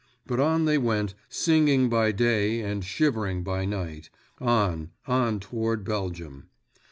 But on they went, singing by day and shivering by night—on, on toward Belgium.